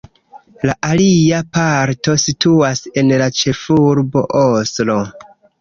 La alia parto situas en la ĉefurbo Oslo.